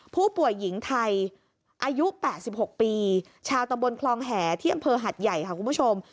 ผู้ป่วยหญิงไทยอายุ๘๖ปีชาวตำบลคลองแห่ที่อำเภอหัดใหญ่ค่ะคุณผู้ชม